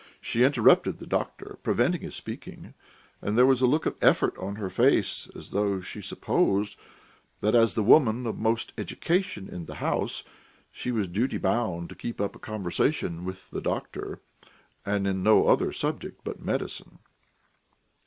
She interrupted the doctor, preventing his speaking, and there was a look of effort on her face, as though she supposed that, as the woman of most education in the house, she was duty bound to keep up a conversation with the doctor, and on no other subject but medicine.